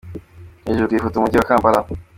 Hejuru ku ifoto: Umujyi wa Kampala.